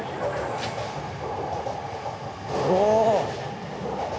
お！